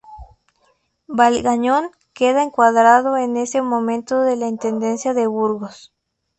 Valgañón queda encuadrado en ese momento en la Intendencia de Burgos.